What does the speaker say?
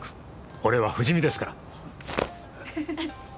俺は不死身ですから。